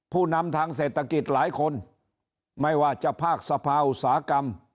ผู้นำทางเศรษฐกิจหลายคนไม่ว่าจะภาคสภาอุตสาหกรรม